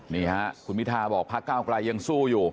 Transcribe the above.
นี่ฮะคุณพิทาบอกพระเก้าไกลยังสู้อยู่